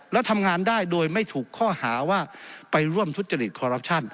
แล้วทำงานได้โดยไม่ถูกข้อหาว่าไปร่วมทุศจริงบมาน